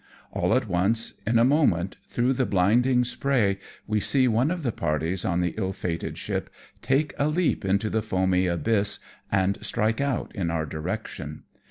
All at once, in a moment, through the blinding spray we see one of the parties on the ill fated ship take a leap into the foamy abyss, and strike out in our direction.